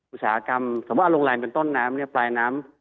อุตสาหกรรมสมมุติโรงแรมเป็นต้นน้ำเนี่ยปลายน้ำ